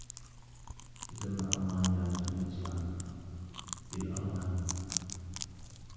تسمّى ألمانيا «دويتشلاند» بالألمانيّة.